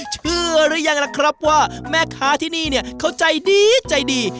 เชื่อรึยังล่ะครับว่าแม่ค้าที่นี่เขาใจดี